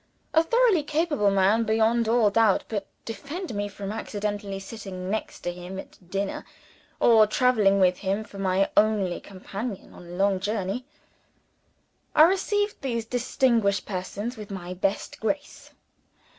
A thoroughly capable man, beyond all doubt but defend me from accidentally sitting next to him at dinner, or traveling with him for my only companion on a long journey! I received these distinguished persons with my best grace.